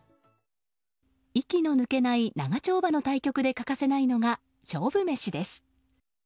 息の抜けない長丁場の対局で欠かせないのが勝負メシです。